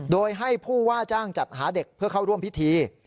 โดยให้ผู้ว่าจ้างจัดหาเด็กเพื่อเข้าร่วมพิธี